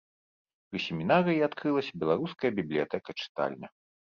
Пры семінарыі адкрылася беларуская бібліятэка-чытальня.